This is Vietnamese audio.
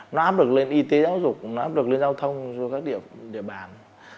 nó áp lực lên y tế giáo dục nó áp lực lên giao thông xuống các địa bàn